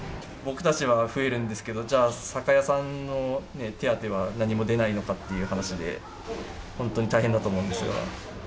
僕たちは増えるんですけど、じゃあ、酒屋さんの手当は何も出ないのかっていう話で、本当に大変だと思うんですが。